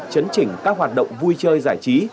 chấn chỉnh các hoạt động vui chơi giải trí